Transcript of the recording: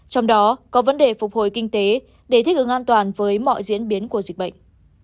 trong đó có vấn đề phục hồi kinh tế để thích ứng an toàn với mọi diễn biến của dịch bệnh